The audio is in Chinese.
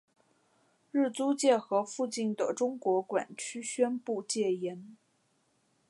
日租界和附近的中国管区宣布戒严。